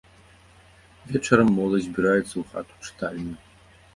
Вечарам моладзь збіраецца ў хату-чытальню.